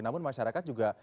namun masyarakat juga